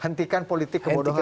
hentikan politik kebodohan